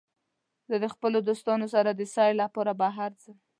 زه د خپلو دوستانو سره د سیل لپاره بهر ځم.